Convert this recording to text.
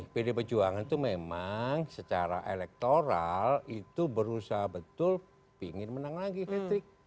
pdip perjuangan itu memang secara elektoral itu berusaha betul pengen menang lagi hat trick